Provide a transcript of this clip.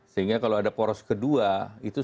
sehingga kalau ada poros kedua itu